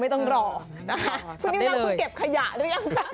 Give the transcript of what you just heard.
ต้องเก็บขยะหรือยังค่ะ